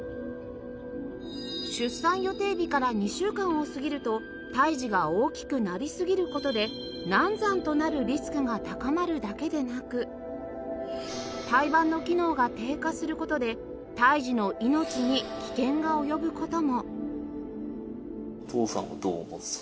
出産予定日から２週間を過ぎると胎児が大きくなりすぎる事で難産となるリスクが高まるだけでなく胎盤の機能が低下する事で胎児の命に危険が及ぶ事も